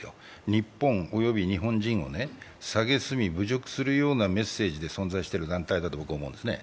日本、及び日本人をさげすみ侮辱するようなメッセージで存在してる団体だと僕は思うんですね。